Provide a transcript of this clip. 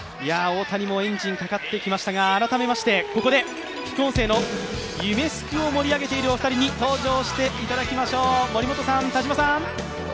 大谷もエンジンかかってきましたが、改めましてここで副音声の夢すくを盛り上げているお二人に登場していただきましょう。